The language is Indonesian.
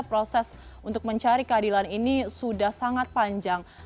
proses untuk mencari keadilan ini sudah sangat panjang